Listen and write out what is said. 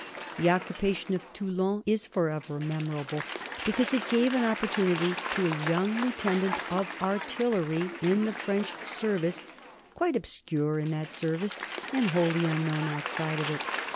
The occupation of Toulon is forever memorable, because it gave an opportunity to a young lieutenant of artillery in the French service, quite obscure in that service and wholly unknown outside of it.